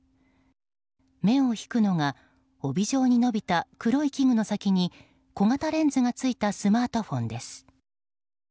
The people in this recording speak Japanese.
目を引くのが帯状に伸びた黒い器具の先に小型レンズがついたスマートフォンです。